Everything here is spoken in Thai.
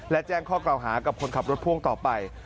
และแจ้งข้อกล่าวหากับคนขับรถพ่วงต่อไป